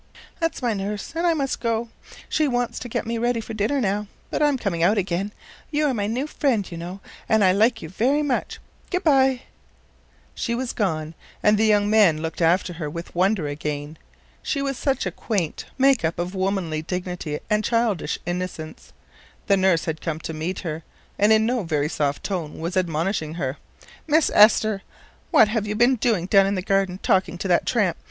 "That's my nurse, and I must go. She wants to get me ready for dinner now, but I'm coming out again. You are my new friend, you know, and I like you very much. Good by." She was gone, and the young man looked after her with wonder again. She was such a quaint make up of womanly dignity and childish innocence. The nurse had come to meet her, and in no very soft tone was admonishing her: "Miss Esther, what have you been doing down in the garden, talking to that tramp?